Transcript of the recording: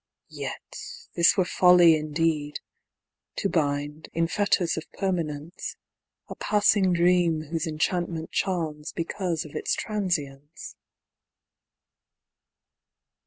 Yet, this were folly indeed; to bind, in fetters of permanence, A passing dream whose enchantment charms because of its trancience.